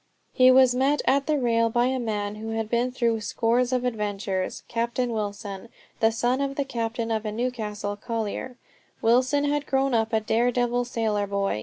He was met at the rail by a man who had been through scores of adventures, Captain Wilson. The son of the captain of a Newcastle collier, Wilson had grown up a dare devil sailor boy.